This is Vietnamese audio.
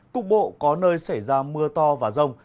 cục bộ có nơi xảy ra mưa to và rông